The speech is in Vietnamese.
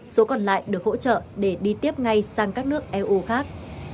số còn lại được hỗ trợ để đi tiếp ngay sang các nước eu khác